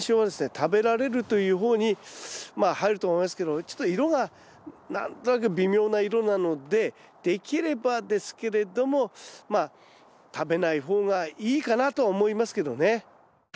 食べられるという方にまあ入ると思いますけどちょっと色が何となく微妙な色なのでできればですけれどもまあ食べない方がいいかなとは思いますけどね。